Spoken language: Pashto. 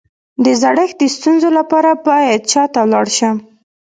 د زړښت د ستونزو لپاره باید چا ته لاړ شم؟